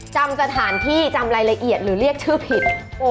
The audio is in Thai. จำสถานที่จำรายละเอียดหรือเรียกชื่อผิด